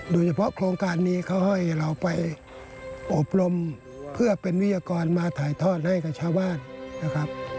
โครงการนี้เขาให้เราไปอบรมเพื่อเป็นวิทยากรมาถ่ายทอดให้กับชาวบ้านนะครับ